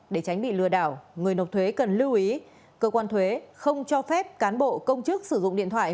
để tránh bị lừa đảo người nộp thuế cần lưu ý cơ quan thuế không cho phép cán bộ công chức sử dụng điện thoại